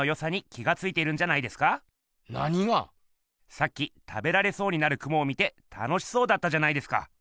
さっき食べられそうになるクモを見て楽しそうだったじゃないですか。